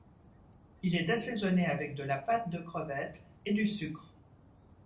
Il est assaisonné avec de la pâte de crevettes et du sucre.